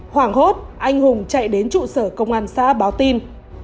hoảng hốt anh hùng chạy đến trụ sở công an xã báo tin